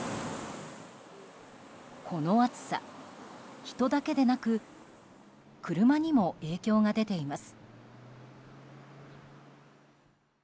この暑さ、人だけでなく車にも影響が出ています。